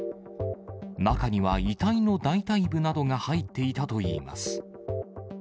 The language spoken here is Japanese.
中には遺体の大たい部などが入っていたといいます。